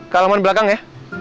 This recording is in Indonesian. ke alaman belakang ya